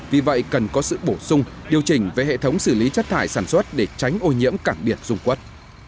vì vậy cần có sự bổ sung điều chỉnh về hệ thống xử lý chất thải sản xuất để tránh ô nhiễm cảng biển dung quất